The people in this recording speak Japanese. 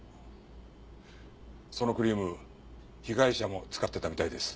そのクリーム被害者も使ってたみたいです。